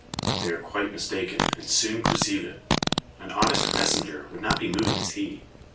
They are quite mistaken, and soon perceive it. An honest messenger would not be moving as he.